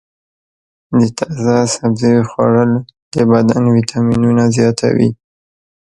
د تازه سبزیو خوړل د بدن ویټامینونه زیاتوي.